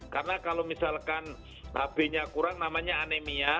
karena kalau misalkan hb nya kurang namanya anemia